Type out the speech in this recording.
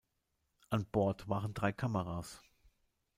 An Bord waren drei Kameras.